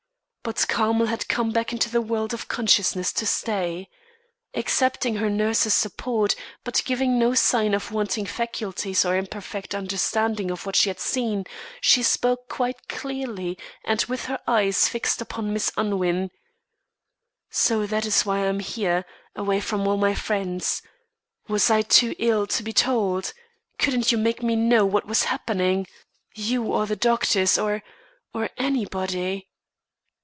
But Carmel had come back into the world of consciousness to stay. Accepting her nurse's support, but giving no sign of waning faculties or imperfect understanding of what she had seen, she spoke quite clearly and with her eyes fixed upon Miss Unwin: "So that is why I am here, away from all my friends. Was I too ill to be told? Couldn't you make me know what was happening? You or the doctors or or anybody?"